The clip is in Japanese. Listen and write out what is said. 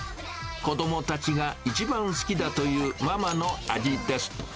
子どもたちが一番好きだというママの味です。